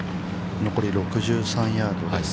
◆残り６３ヤードです。